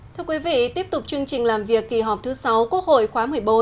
thưa quý vị tiếp tục chương trình làm việc kỳ họp thứ sáu quốc hội khóa một mươi bốn